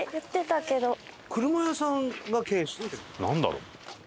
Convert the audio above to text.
なんだろう？